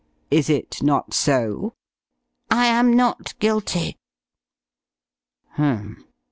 Is it not so?" "I am not guilty." "H'm."